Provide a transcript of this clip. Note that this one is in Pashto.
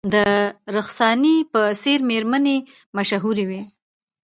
د رخسانې په څیر میرمنې مشهورې وې